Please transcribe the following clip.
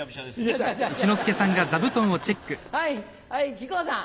木久扇さん。